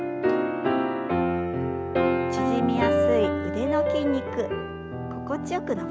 縮みやすい腕の筋肉心地よく伸ばしていきましょう。